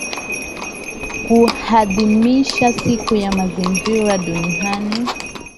kuadhimisha Siku ya Mazingira Duniani